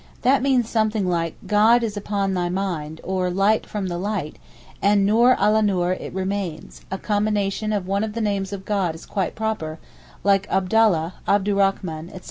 That means something like 'God is upon thy mind,' or 'light from the light,' and Noor ala Noor it remains; a combination of one of the names of God is quite proper, like Abdallah, Abdurachman, etc.